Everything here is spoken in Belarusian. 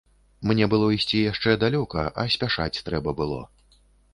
Мне было ісці яшчэ далёка, а спяшаць трэба было.